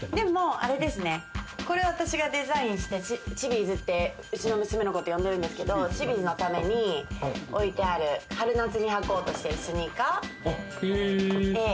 あれですね、これ私がデザインして、ちびーずって、うちの娘の子と呼んでるんですけど、ちびーずのために置いてある春夏に履こうとしてるスニーカー。